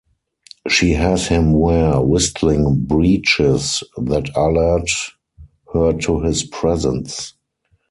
She has him wear whistling breeches that alert her to his presence.